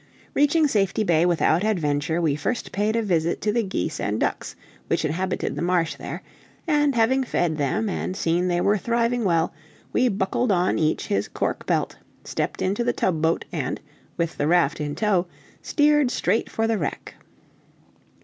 Reaching Safety Bay without adventure we first paid a visit to the geese and ducks which inhabited the marsh there, and having fed them and seen they were thriving well, we buckled on each his cork belt, stepped into the tub boat, and, with the raft in tow, steered straight for the wreck.